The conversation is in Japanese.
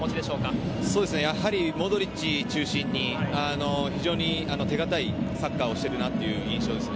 やはり、モドリッチ中心に非常に手堅いサッカーをしてるなという印象ですね。